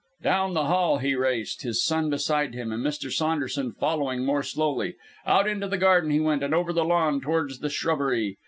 Down the hall he raced, his son beside him, and Mr. Saunderson following more slowly. Out into the garden he went and over the lawn towards the shrubbery.